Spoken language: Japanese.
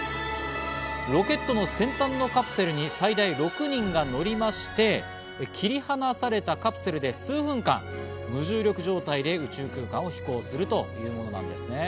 ロケットの先端のカプセルに最大６人が乗りまして切り離されたカプセルで数分間無重力状態で宇宙空間を飛行するというものです。